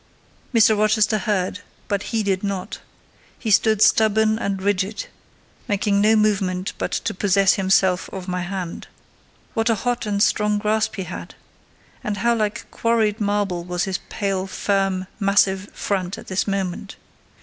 Mr. Rochester heard, but heeded not: he stood stubborn and rigid, making no movement but to possess himself of my hand. What a hot and strong grasp he had! and how like quarried marble was his pale, firm, massive front at this moment!